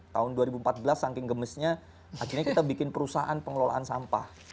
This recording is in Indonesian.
tahun dua ribu empat belas saking gemesnya akhirnya kita bikin perusahaan pengelolaan sampah